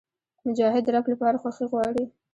مجاهد د رب لپاره خوښي غواړي.